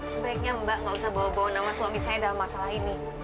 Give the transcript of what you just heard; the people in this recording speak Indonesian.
sebaiknya mbak nggak usah bawa bawa nama suami saya dalam masalah ini